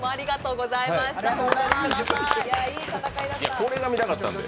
これが見たかったのよ。